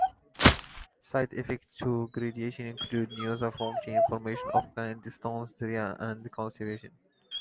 Side-effects of guaifenesin include nausea, vomiting, formation of kidney stones, diarrhea, and constipation.